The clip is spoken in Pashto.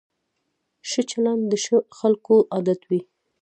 ښه چلند د ښو خلکو عادت وي.